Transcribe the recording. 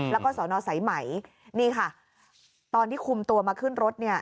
แล้วก็สอนอสายไหมนี่ค่ะตอนที่คุมตัวมาขึ้นรถเนี่ย